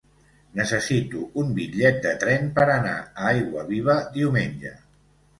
Necessito un bitllet de tren per anar a Aiguaviva diumenge.